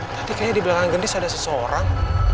tapi kayaknya di belakang gendis ada seseorang